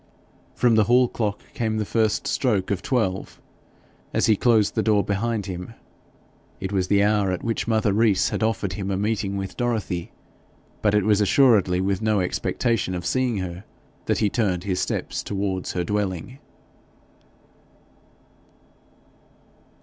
From the hall clock came the first stroke of twelve as he closed the door behind him. It was the hour at which mother Rees had offered him a meeting with Dorothy; but it was assuredly with no expectation of seeing her that he turned his steps towards her dwelling.